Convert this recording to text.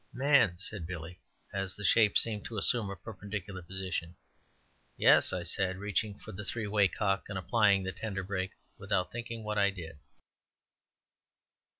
"Man," said Billy, as the shape seemed to assume a perpendicular position. "Yes," said I, reaching for the three way cock, and applying the tender brake, without thinking what I did.